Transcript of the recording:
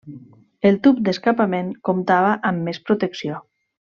El tub d'escapament comptava amb més protecció.